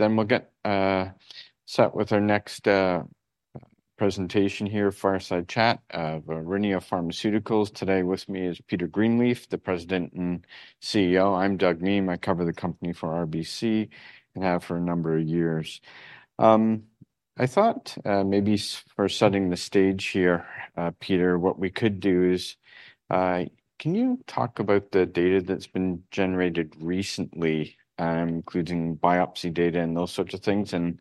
Then we'll get set with our next presentation here, Fireside Chat of Aurinia Pharmaceuticals. Today with me is Peter Greenleaf, the President and CEO. I'm Doug Miehm, I cover the company for RBC, and have for a number of years. I thought maybe for setting the stage here, Peter, what we could do is can you talk about the data that's been generated recently, including biopsy data and those sorts of things, and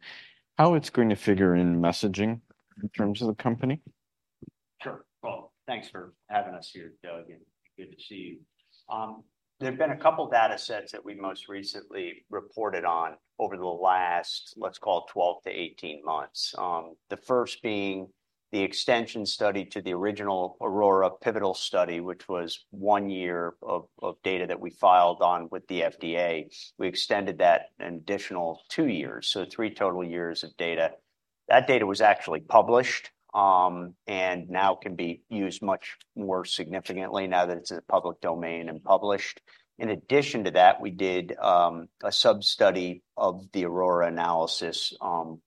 how it's going to figure in the messaging in terms of the company? Sure. Well, thanks for having us here, Doug, and good to see you. There've been a couple data sets that we most recently reported on over the last, let's call it, 12-18 months. The first being the extension study to the original AURORA pivotal study, which was one year of data that we filed on with the FDA. We extended that an additional two years, so three total years of data. That data was actually published, and now can be used much more significantly now that it's in the public domain and published. In addition to that, we did a sub-study of the AURORA analysis,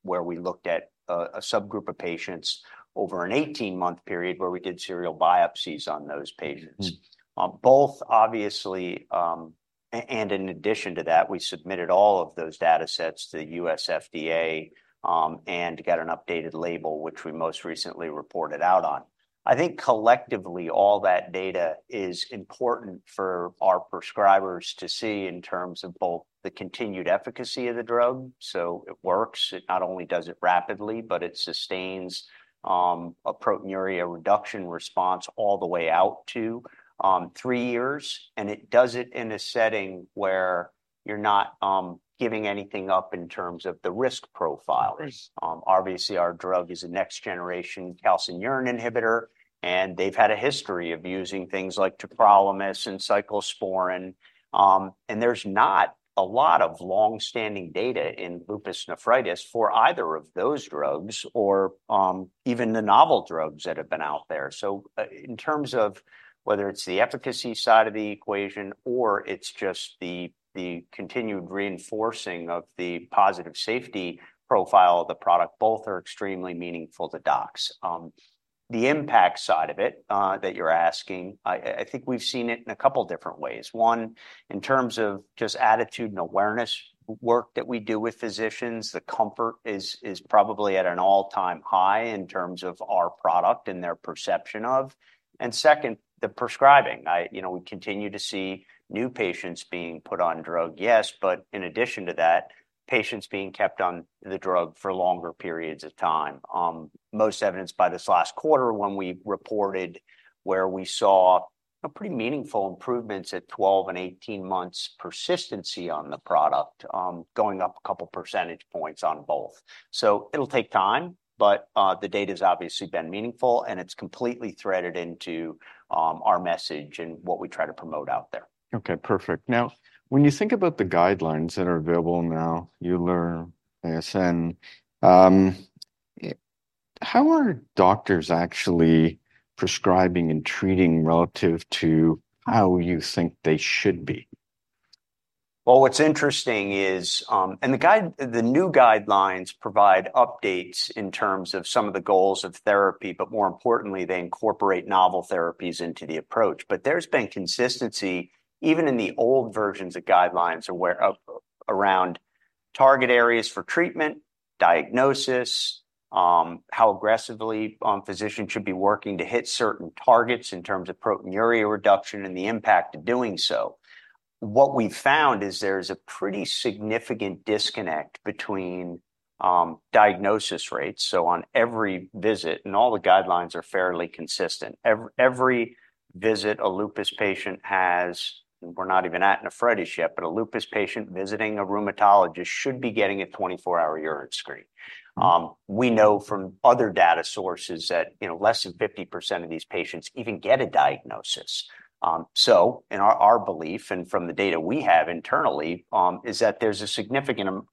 where we looked at a subgroup of patients over an 18-month period, where we did serial biopsies on those patients. Mm. Both obviously, and in addition to that, we submitted all of those data sets to the US FDA, and got an updated label, which we most recently reported out on. I think collectively, all that data is important for our prescribers to see in terms of both the continued efficacy of the drug, so it works. It not only does it rapidly, but it sustains, a proteinuria reduction response all the way out to, three years, and it does it in a setting where you're not, giving anything up in terms of the risk profile. Right. Obviously, our drug is a next generation calcineurin inhibitor, and they've had a history of using things like tacrolimus and cyclosporine. And there's not a lot of long-standing data in lupus nephritis for either of those drugs or even the novel drugs that have been out there. So, in terms of whether it's the efficacy side of the equation or it's just the continued reinforcing of the positive safety profile of the product, both are extremely meaningful to docs. The impact side of it that you're asking, I think we've seen it in a couple different ways. One, in terms of just attitude and awareness work that we do with physicians, the comfort is probably at an all-time high in terms of our product and their perception of. And second, the prescribing. I, You know, we continue to see new patients being put on drug, yes, but in addition to that, patients being kept on the drug for longer periods of time. Most evidenced by this last quarter, when we reported where we saw a pretty meaningful improvements at 12 and 18 months persistency on the product, going up a couple percentage points on both. So it'll take time, but, the data's obviously been meaningful, and it's completely threaded into, our message and what we try to promote out there. Okay, perfect. Now, when you think about the guidelines that are available now, EULAR, ASN, how are doctors actually prescribing and treating relative to how you think they should be? Well, what's interesting is, the new guidelines provide updates in terms of some of the goals of therapy, but more importantly, they incorporate novel therapies into the approach. But there's been consistency, even in the old versions of guidelines, awareness of, around target areas for treatment, diagnosis, how aggressively, physicians should be working to hit certain targets in terms of proteinuria reduction, and the impact of doing so. What we've found is there's a pretty significant disconnect between, diagnosis rates, so on every visit, and all the guidelines are fairly consistent. Every visit a lupus patient has, we're not even at nephritis yet, but a lupus patient visiting a rheumatologist should be getting a 24-hour urine screen. Mm. We know from other data sources that, you know, less than 50% of these patients even get a diagnosis. So and our belief, and from the data we have internally, is that there's a significant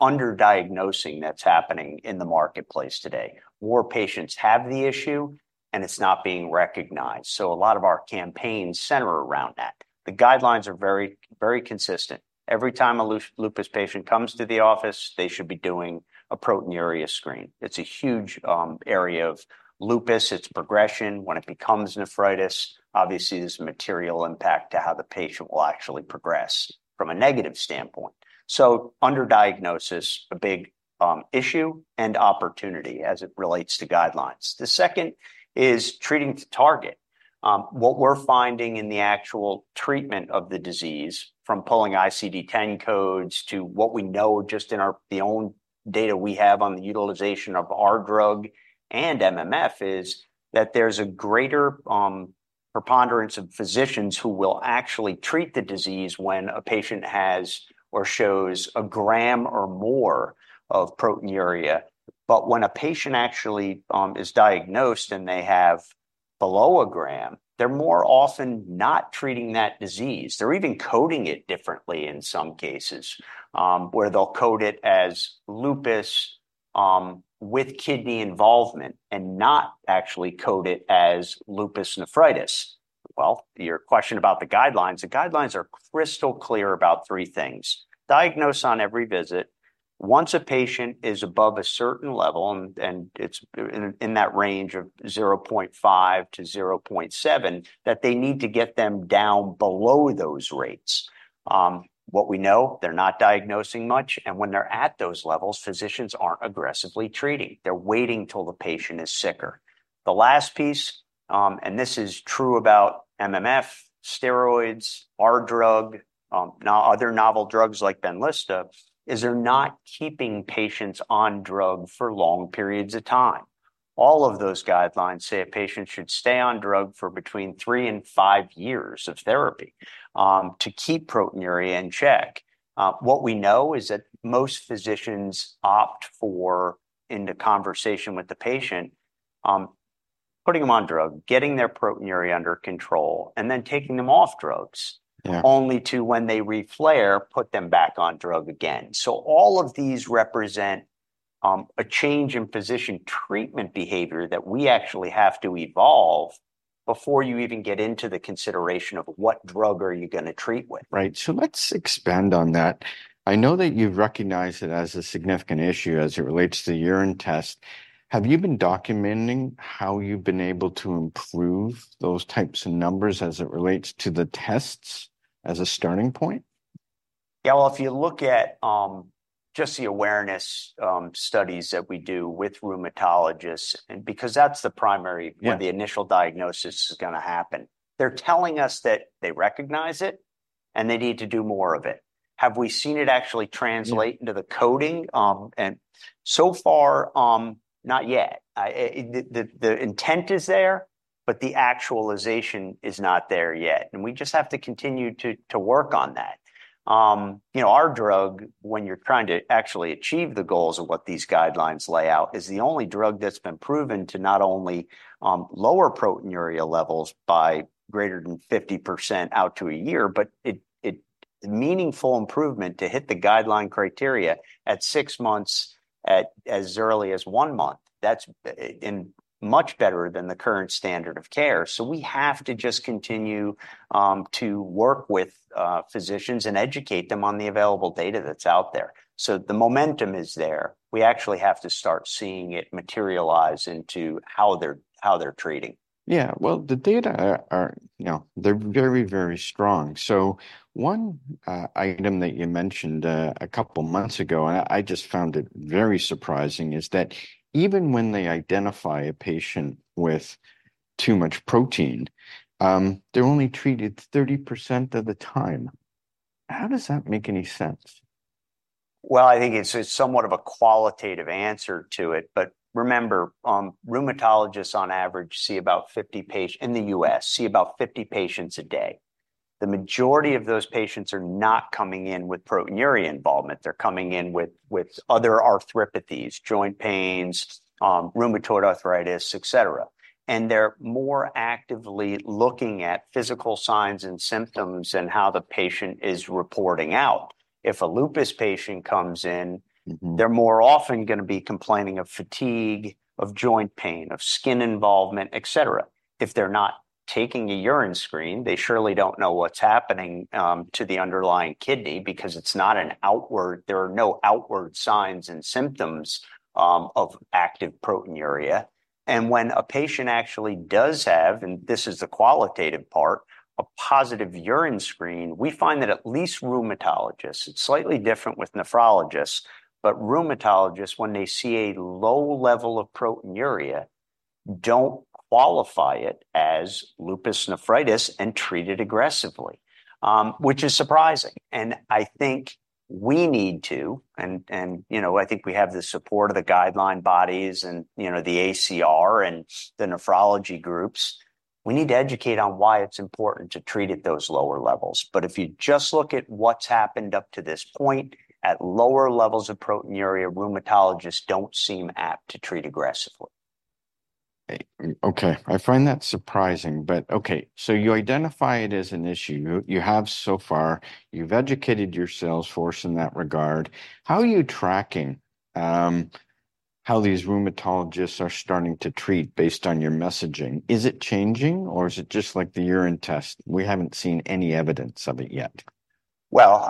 under-diagnosing that's happening in the marketplace today, where patients have the issue, and it's not being recognized. So a lot of our campaigns center around that. The guidelines are very, very consistent. Every time a lupus patient comes to the office, they should be doing a proteinuria screen. It's a huge area of lupus. It's progression. When it becomes nephritis, obviously, there's a material impact to how the patient will actually progress from a negative standpoint. So under-diagnosis, a big issue and opportunity as it relates to guidelines. The second is treating to target. What we're finding in the actual treatment of the disease, from pulling ICD-10 codes to what we know just in our own data we have on the utilization of our drug and MMF, is that there's a greater preponderance of physicians who will actually treat the disease when a patient has or shows one gram or more of proteinuria. But when a patient actually is diagnosed, and they have below one gram, they're more often not treating that disease. They're even coding it differently in some cases, where they'll code it as lupus with kidney involvement and not actually code it as lupus nephritis. Well, your question about the guidelines, the guidelines are crystal clear about three things: diagnose on every visit; once a patient is above a certain level, and it's in that range of 0.5-0.7, that they need to get them down below those rates. What we know, they're not diagnosing much, and when they're at those levels, physicians aren't aggressively treating. They're waiting till the patient is sicker. The last piece, and this is true about MMF, steroids, our drug, now other novel drugs like Benlysta, is they're not keeping patients on drug for long periods of time. All of those guidelines say a patient should stay on drug for between three and five years of therapy, to keep proteinuria in check. What we know is that most physicians opt for, in the conversation with the patient, putting them on drug, getting their proteinuria under control, and then taking them off drugs Yeah only to, when they re-flare, put them back on drug again. So all of these represent a change in physician treatment behavior that we actually have to evolve before you even get into the consideration of what drug are you gonna treat with. Right. Let's expand on that. I know that you've recognized it as a significant issue as it relates to the urine test. Have you been documenting how you've been able to improve those types of numbers as it relates to the tests as a starting point? Yeah, well, if you look at just the awareness studies that we do with rheumatologists, and because that's the primary- Yeah where the initial diagnosis is gonna happen. They're telling us that they recognize it, and they need to do more of it. Have we seen it actually translate Yeah into the coding? And so far, not yet. The intent is there, but the actualization is not there yet, and we just have to continue to work on that. You know, our drug, when you're trying to actually achieve the goals of what these guidelines lay out, is the only drug that's been proven to not only lower proteinuria levels by greater than 50% out to a year, but meaningful improvement to hit the guideline criteria at six months, at as early as one month. That's much better than the current standard of care. So we have to just continue to work with physicians and educate them on the available data that's out there. So the momentum is there. We actually have to start seeing it materialize into how they're treating. Yeah. Well, the data are, you know, they're very, very strong. So one item that you mentioned a couple months ago, and I just found it very surprising, is that even when they identify a patient with too much protein, they're only treated 30% of the time. How does that make any sense? Well, I think it's somewhat of a qualitative answer to it, but remember, rheumatologists on average see about 50 patients a day in the US. The majority of those patients are not coming in with proteinuria involvement. They're coming in with other arthropathies, joint pains, rheumatoid arthritis, et cetera. They're more actively looking at physical signs and symptoms and how the patient is reporting out. If a lupus patient comes in Mm-hmm they're more often gonna be complaining of fatigue, of joint pain, of skin involvement, et cetera. If they're not taking a urine screen, they surely don't know what's happening to the underlying kidney because it's not an outward, there are no outward signs and symptoms of active proteinuria. And when a patient actually does have, and this is the qualitative part, a positive urine screen, we find that at least rheumatologists, it's slightly different with nephrologists, but rheumatologists, when they see a low level of proteinuria, don't qualify it as lupus nephritis and treat it aggressively, which is surprising. And I think we need to you know, I think we have the support of the guideline bodies and, you know, the ACR and the nephrology groups, we need to educate on why it's important to treat at those lower levels. But if you just look at what's happened up to this point, at lower levels of proteinuria, rheumatologists don't seem apt to treat aggressively. Okay, I find that surprising, but okay. So you identify it as an issue. You have so far, you've educated your sales force in that regard. How are you tracking how these rheumatologists are starting to treat based on your messaging? Is it changing, or is it just like the urine test, we haven't seen any evidence of it yet? Well,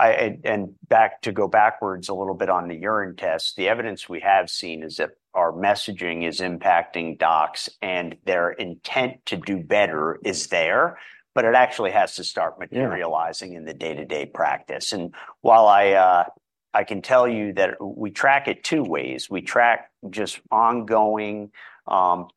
back to go backwards a little bit on the urine test, the evidence we have seen is that our messaging is impacting docs, and their intent to do better is there, but it actually has to start materializing Yeah in the day-to-day practice. While I can tell you that we track it two ways. We track just ongoing,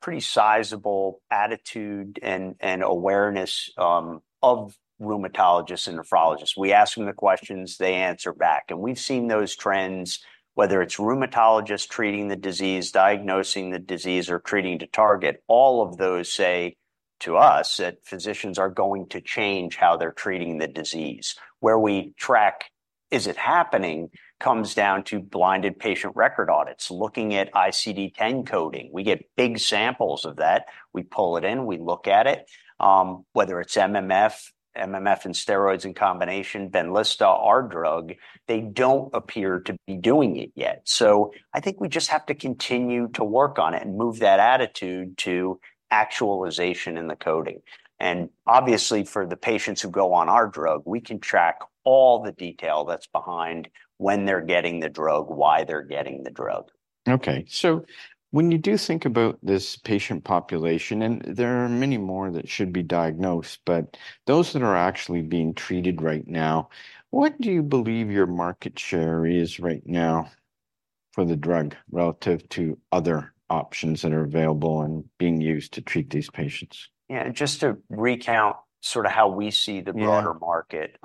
pretty sizable attitude and awareness of rheumatologists and nephrologists. We ask them the questions, they answer back. We've seen those trends, whether it's rheumatologists treating the disease, diagnosing the disease, or treating to target, all of those say to us that physicians are going to change how they're treating the disease. Where we track is it happening comes down to blinded patient record audits, looking at ICD-10 coding. We get big samples of that. We pull it in, we look at it. Whether it's MMF, MMF and steroids in combination, Benlysta, our drug, they don't appear to be doing it yet. So I think we just have to continue to work on it and move that attitude to actualization in the coding, and obviously, for the patients who go on our drug, we can track all the detail that's behind when they're getting the drug, why they're getting the drug. Okay, so when you do think about this patient population, and there are many more that should be diagnosed, but those that are actually being treated right now, what do you believe your market share is right now for the drug relative to other options that are available and being used to treat these patients? Yeah, just to recount sort of how we see the Yeah broader market,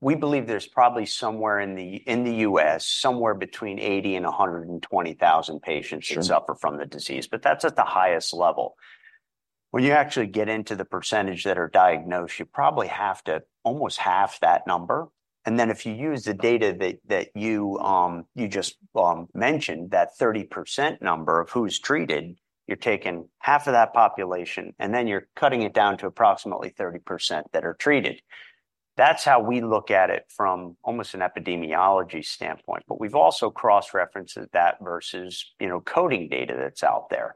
we believe there's probably somewhere in the US, somewhere between 80,000 and 120,000 patients- Sure that suffer from the disease, but that's at the highest level. When you actually get into the percentage that are diagnosed, you probably have to almost half that number, and then if you use the data that you just mentioned, that 30% number of who’s treated, you're taking half of that population, and then you're cutting it down to approximately 30% that are treated. That's how we look at it from almost an epidemiology standpoint, but we've also cross-referenced that versus, you know, coding data that's out there.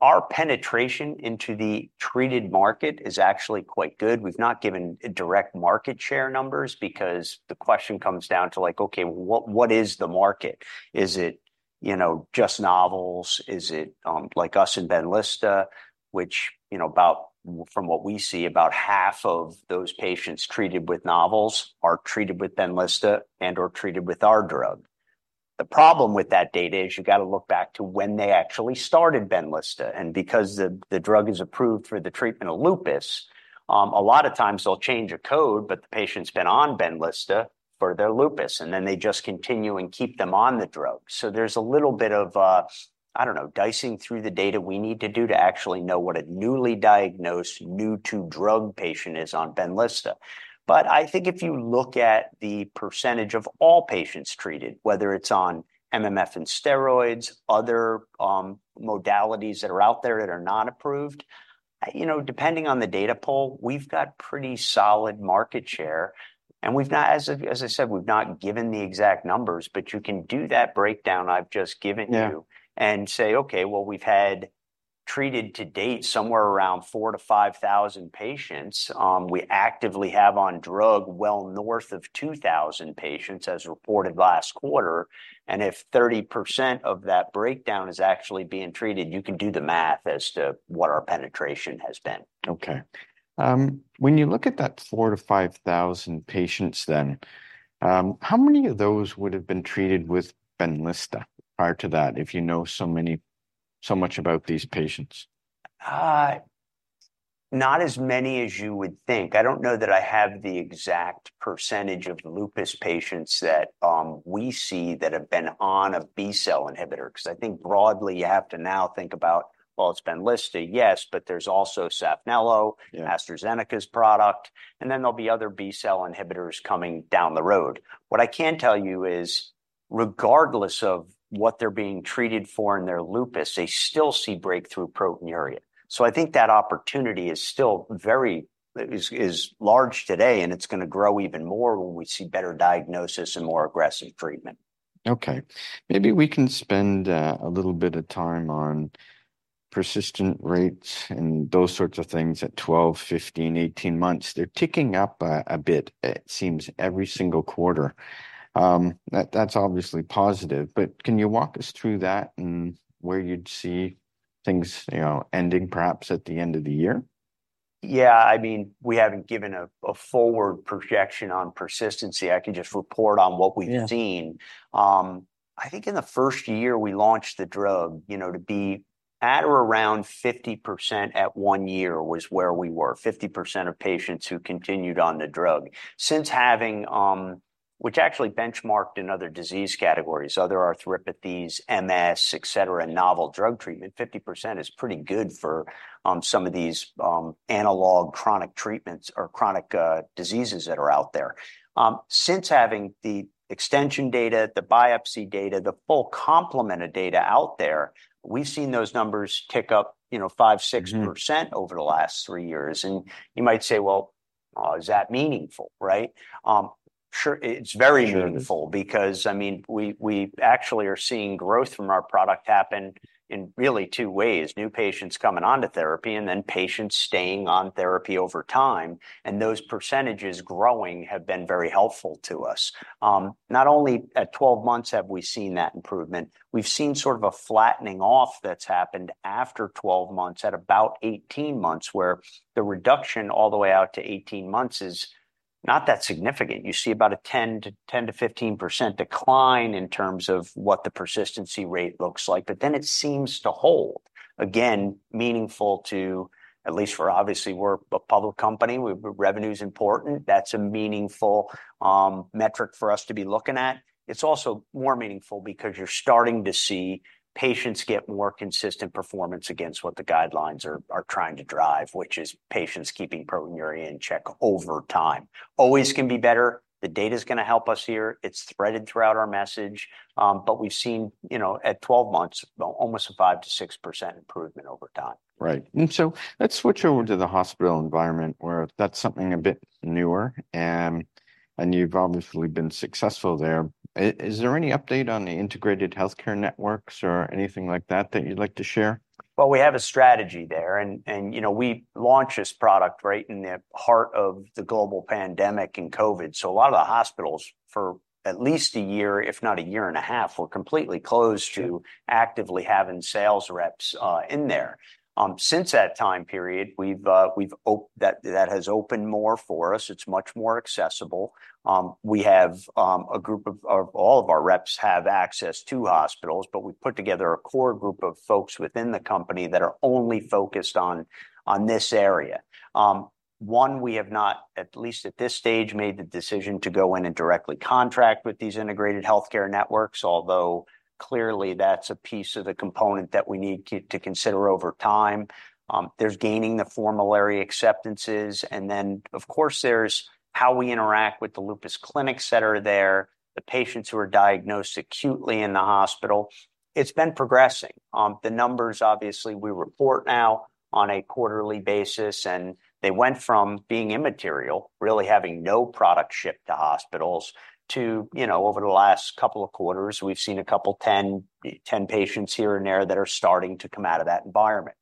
Our penetration into the treated market is actually quite good. We've not given direct market share numbers because the question comes down to like, okay, what is the market? Is it, you know, just novels? Is it, like us and Benlysta, which, you know, about From what we see, about half of those patients treated with novels are treated with Benlysta and, or treated with our drug. The problem with that data is you've got to look back to when they actually started Benlysta, and because the drug is approved for the treatment of lupus, a lot of times they'll change a code, but the patient's been on Benlysta for their lupus, and then they just continue and keep them on the drug. So there's a little bit of, I don't know, dicing through the data we need to do to actually know what a newly diagnosed, new-to-drug patient is on Benlysta. But I think if you look at the percentage of all patients treated, whether it's on MMF and steroids, other modalities that are out there that are not approved, you know, depending on the data pool, we've got pretty solid market share, and we've not, as I said, we've not given the exact numbers, but you can do that breakdown I've just given you. Yeah and say, "Okay, well, we've had treated to date somewhere around 4,000-5,000 patients. We actively have on drug well north of 2,000 patients, as reported last quarter, and if 30% of that breakdown is actually being treated," you can do the math as to what our penetration has been. Okay. When you look at that 4,000-5,000 patients then, how many of those would have been treated with Benlysta prior to that, if you know so much about these patients? Not as many as you would think. I don't know that I have the exact percentage of lupus patients that we see that have been on a B-cell inhibitor, because I think broadly you have to now think about, well, it's Benlysta, yes, but there's also Saphnelo Yeah AstraZeneca's product, and then there'll be other B-cell inhibitors coming down the road. What I can tell you is, regardless of what they're being treated for in their lupus, they still see breakthrough proteinuria. So I think that opportunity is still very large today, and it's going to grow even more when we see better diagnosis and more aggressive treatment. Okay. Maybe we can spend a little bit of time on persistent rates and those sorts of things at 12, 15, 18 months. They're ticking up a bit, it seems, every single quarter. That, that's obviously positive, but can you walk us through that and where you'd see things, you know, ending perhaps at the end of the year? Yeah, I mean, we haven't given a forward projection on persistency. I can just report on what we've seen. Yeah. I think in the first year we launched the drug, you know, to be at or around 50% at one year was where we were, 50% of patients who continued on the drug. Since having which actually benchmarked in other disease categories, other arthropathies, MS, etc and novel drug treatment, 50% is pretty good for some of these analog chronic treatments or chronic diseases that are out there. Since having the extension data, the biopsy data, the full complement of data out there, we've seen those numbers tick up, you know, 5%-6% Mm over the last three years. And you might say, "Well, is that meaningful, right?" Sure, it's very meaningful- Sure because, I mean, we actually are seeing growth from our product happen in really two ways: new patients coming onto therapy, and then patients staying on therapy over time, and those percentages growing have been very helpful to us. Not only at 12 months have we seen that improvement, we've seen sort of a flattening off that's happened after 12 months, at about 18 months, where the reduction all the way out to 18 months is not that significant. You see about a 10%-15% decline in terms of what the persistency rate looks like, but then it seems to hold. Again, meaningful to, at least for obviously, we're a public company, we revenue is important. That's a meaningful metric for us to be looking at. It's also more meaningful because you're starting to see patients get more consistent performance against what the guidelines are, are trying to drive, which is patients keeping proteinuria in check over time. Always can be better. The data's gonna help us here. It's threaded throughout our message, but we've seen, you know, at 12 months, almost a 5%-6% improvement over time. Right. And so let's switch over to the hospital environment, where that's something a bit newer, and you've obviously been successful there. Is there any update on the integrated healthcare networks or anything like that that you'd like to share? Well, we have a strategy there, and you know, we launched this product right in the heart of the global pandemic and COVID. So a lot of the hospitals, for at least a year, if not a year and a half, were completely closed. Sure to actively having sales reps in there. Since that time period, we've, that has opened more for us. It's much more accessible. We have a group of all of our reps have access to hospitals, but we put together a core group of folks within the company that are only focused on this area. One, we have not, at least at this stage, made the decision to go in and directly contract with these integrated healthcare networks, although clearly, that's a piece of the component that we need to consider over time. There's gaining the formulary acceptances, and then, of course, there's how we interact with the lupus clinics that are there, the patients who are diagnosed acutely in the hospital. It's been progressing. The numbers, obviously, we report now on a quarterly basis, and they went from being immaterial, really having no product shipped to hospitals, to, you know, over the last couple of quarters, we've seen a couple 10, 10 patients here and there that are starting to come out of that environment.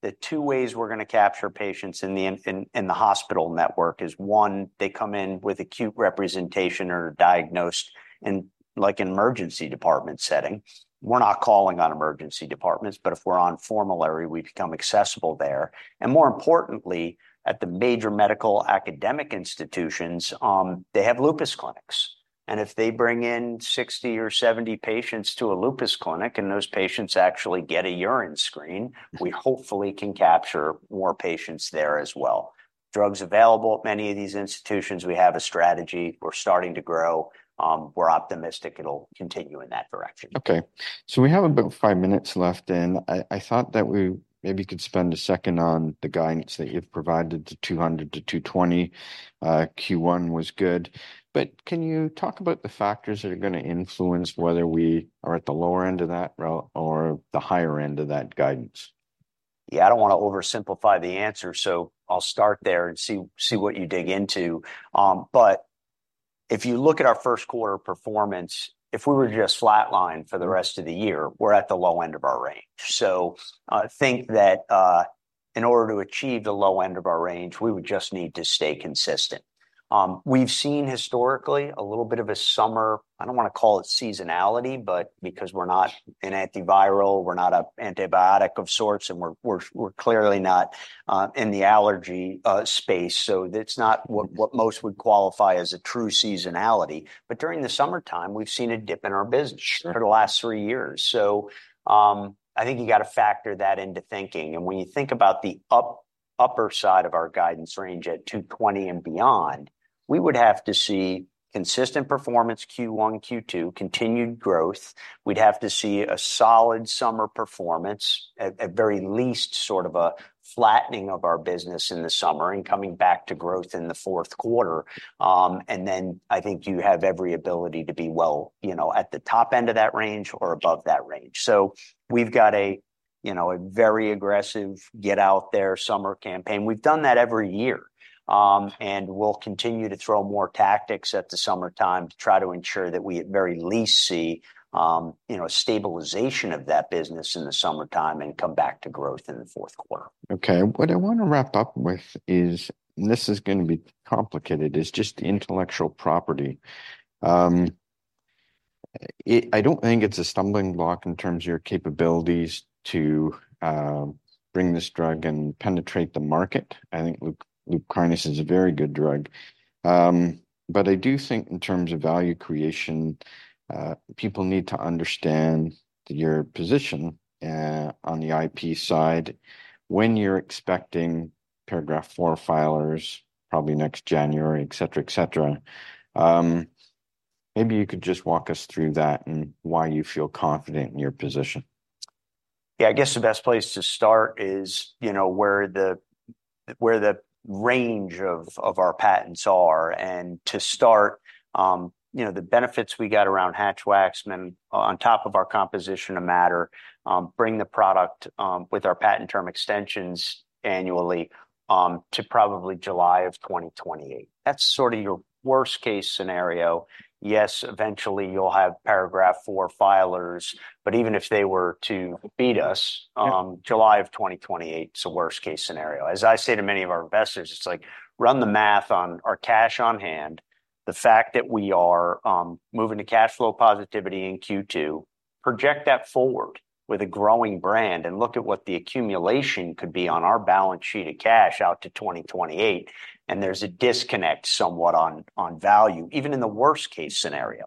The two ways we're gonna capture patients in the hospital network is, one, they come in with acute presentation or are diagnosed in, like an emergency department setting. We're not calling on emergency departments, but if we're on formulary, we become accessible there. And more importantly, at the major medical academic institutions, they have lupus clinics, and if they bring in 60 or 70 patients to a lupus clinic, and those patients actually get a urine screen, we hopefully can capture more patients there as well. Drugs available at many of these institutions, we have a strategy. We're starting to grow. We're optimistic it'll continue in that direction. Okay, so we have about five minutes left, and I thought that we maybe could spend a second on the guidance that you've provided to $200-$220. Q1 was good, but can you talk about the factors that are gonna influence whether we are at the lower end of that range or the higher end of that guidance? Yeah, I don't wanna oversimplify the answer, so I'll start there and see what you dig into. But if you look at our first quarter performance, if we were to just flatline for the rest of the year, we're at the low end of our range. So I think that in order to achieve the low end of our range, we would just need to stay consistent. We've seen historically a little bit of a summer, I don't wanna call it seasonality, but because we're not an antiviral, we're not an antibiotic of sorts, and we're clearly not in the allergy space, so it's not what- Mm what most would qualify as a true seasonality, but during the summertime, we've seen a dip in our business- Sure for the last three years. So, I think you got to factor that into thinking, and when you think about the upper side of our guidance range at $220 and beyond, we would have to see consistent performance, Q1, Q2, continued growth. We'd have to see a solid summer performance, at very least, sort of a flattening of our business in the summer and coming back to growth in the fourth quarter. And then I think you have every ability to be well, you know, at the top end of that range or above that range. So we've got a, you know, a very aggressive, get out there summer campaign. We've done that every year. We'll continue to throw more tactics at the summertime to try to ensure that we, at very least, see, you know, a stabilization of that business in the summertime and come back to growth in the fourth quarter. Okay, what I want to wrap up with is, and this is gonna be complicated, is just intellectual property. I don't think it's a stumbling block in terms of your capabilities to bring this drug and penetrate the market. I think LUPKYNIS is a very good drug. But I do think in terms of value creation, people need to understand your position on the IP side, when you're expecting Paragraph IV filers, probably next January, et cetera, et cetera. Maybe you could just walk us through that and why you feel confident in your position. Yeah, I guess the best place to start is, you know, where the range of our patents are, and to start, you know, the benefits we got around Hatch-Waxman on top of our composition of matter, bring the product with our patent term extensions annually to probably July of 2028. That's sort of your worst case scenario. Yes, eventually you'll have Paragraph IV filers, but even if they were to beat us- Yeah July of 2028 is a worst-case scenario. As I say to many of our investors, it's like, run the math on our cash on hand, the fact that we are, moving to cash flow positivity in Q2, project that forward with a growing brand and look at what the accumulation could be on our balance sheet of cash out to 2028, and there's a disconnect somewhat on, on value, even in the worst case scenario.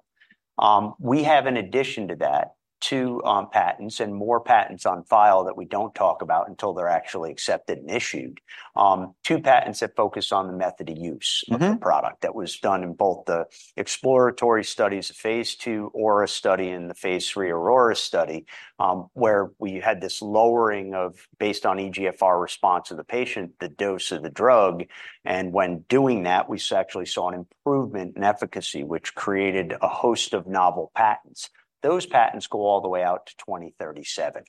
We have, in addition to that, two patents and more patents on file that we don't talk about until they're actually accepted and issued. two patents that focus on the method of use- Mm-hmm of the product. That was done in both the exploratory studies, the phase II AURA study and the phase III AURORA study, where we had this lowering of, based on eGFR response of the patient, the dose of the drug, and when doing that, we actually saw an improvement in efficacy, which created a host of novel patents. Those patents go all the way out to 2037.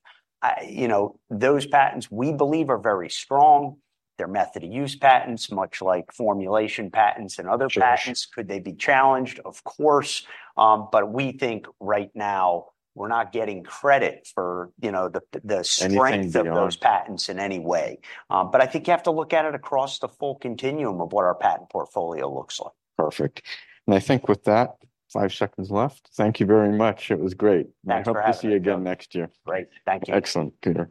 You know, those patents, we believe, are very strong. They're method of use patents, much like formulation patents and other patents. Sure. Could they be challenged? Of course. But we think right now we're not getting credit for, you know, the strength Anything beyond of those patents in any way. But I think you have to look at it across the full continuum of what our patent portfolio looks like. Perfect. I think with that, five seconds left. Thank you very much. It was great. Thanks for having me. I hope to see you again next year. Great. Thank you. Excellent. Peter.